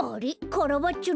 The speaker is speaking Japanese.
カラバッチョ！